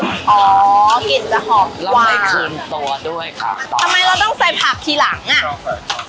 กลัวหินจะหอบกว่าแล้วไม่คืนตัวด้วยค่ะทำไมเราต้องใส่ผักทีหลังอ่ะ